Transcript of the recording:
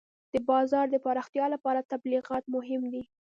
د بازار د پراختیا لپاره تبلیغات مهم دي.